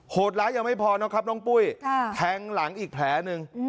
ร้ายยังไม่พอนะครับน้องปุ้ยแทงหลังอีกแผลหนึ่ง